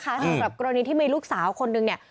สำหรับกรณีที่มีลูกสาวคนนึงเนี่ย